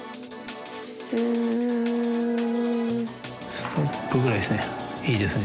ストップぐらいですね。